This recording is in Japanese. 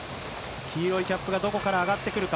黄色いキャップがどこから上がってくるか。